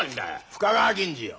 深川銀次よ。